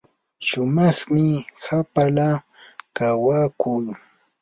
shumaqmi hapala kawakuu.